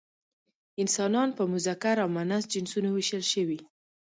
انسانان په مذکر او مؤنث جنسونو ویشل شوي.